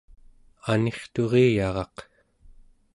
anirturiyaraq